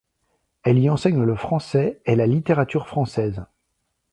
Elle y enseigne le français et la littérature française.